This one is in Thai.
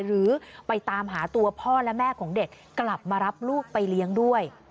หรือไปตามหาตัวพ่อและแม่ของเด็กกลับมารับลูกไปเลี้ยงด้วย